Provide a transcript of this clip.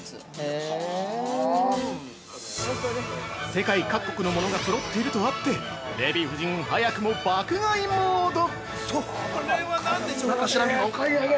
◆世界各国のものが揃っているとあって、デヴィ夫人早くも爆買いモード！